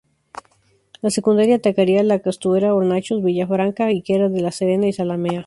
La secundaria atacaría la Castuera, Hornachos, Villa Franca, Higuera de la Serena y Zalamea.